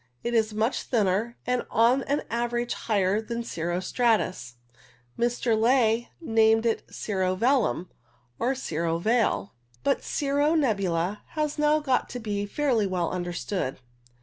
It is much thinner, and on an average higher than cirro stratus. Mr. Ley named it cirro velum (or cirro veil), but cirro nebula has now got to be fairly well understood.